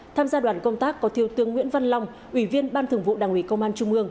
tham gia đoàn công tác có thiếu tướng nguyễn văn long ủy viên ban thường vụ đảng ủy công an trung ương